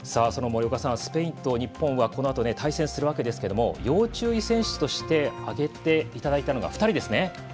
スペインと日本はこのあと、対戦するわけですけど要注意選手として挙げていただいたのが２人ですね。